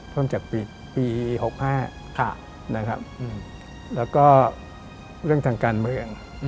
เพิ่มจากปี๖๕เลยนะครับเรื่องสำหรับการเมือง